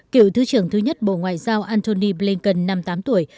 cựu thứ trưởng thứ nhất bộ ngoại giao antony blinken năm mươi tám tuổi